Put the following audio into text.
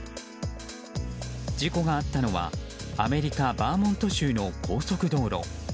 事故があったのはアメリカバーモント州の高速道路。